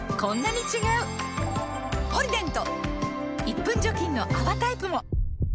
１分除菌の泡タイプも！